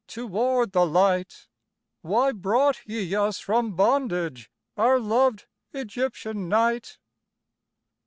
toward the light: "Why brought ye us from bondage, Our loved Egyptian night?"